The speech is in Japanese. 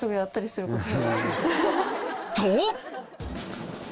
と！